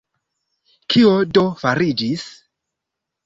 Kio do fariĝis?